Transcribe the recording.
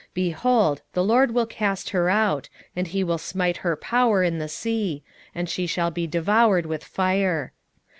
9:4 Behold, the LORD will cast her out, and he will smite her power in the sea; and she shall be devoured with fire.